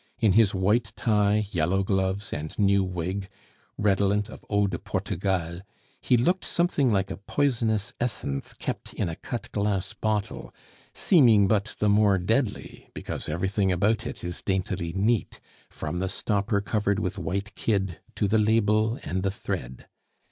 In his white tie, yellow gloves, and new wig, redolent of eau de Portugal, he looked something like a poisonous essence kept in a cut glass bottle, seeming but the more deadly because everything about it is daintily neat, from the stopper covered with white kid to the label and the thread.